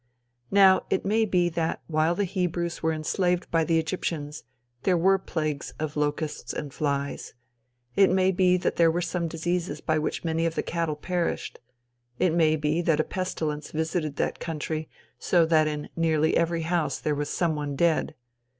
Now, it may be that while the Hebrews were enslaved by the Egyptians, there were plagues of locusts and flies. It may be that there were some diseases by which many of the cattle perished. It may be that a pestilence visited that country so that in nearly every house there was some one dead.